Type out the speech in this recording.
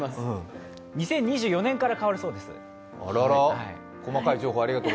２０２４年から変わるそうです。